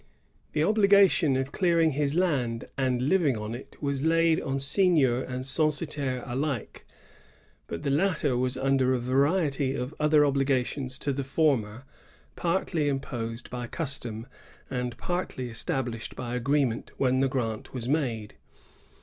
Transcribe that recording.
The obligation of clearing his land and living on it was laid on seignior and censitaire alike ; but the latter was under a variety of other obligations to the former, partly imposed by custom and partly estab lished by agreement when the grant was made.